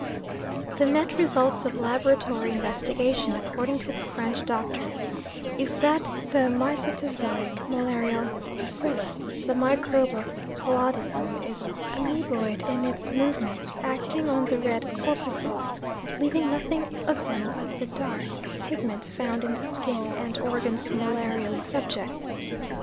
The net results of laboratory investigation, according to the French doctors, is that the mycetozoic malarial bacillus, the microbe of paludism, is amoeboid in its movements, acting on the red corpuscles, leaving nothing of them but the dark pigment found in the skin and organs of malarial subjects.